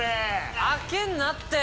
開けんなって！